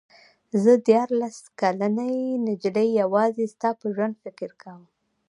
زه دیارلس کلنې نجلۍ یوازې ستا په ژوند فکر کاوه.